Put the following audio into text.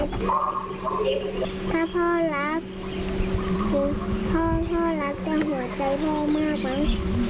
ถ้าพ่อรักพ่อรักแต่หัวใจพ่อมากมาย